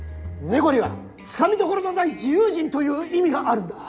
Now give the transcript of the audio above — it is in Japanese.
ネコには掴みどころのない自由人という意味があるんだ。